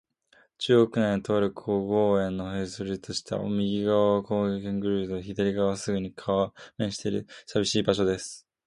中央区内の、とある小公園の塀外へいそとでした。右がわは公園のコンクリート塀べい、左がわはすぐ川に面している、さびしい場所です。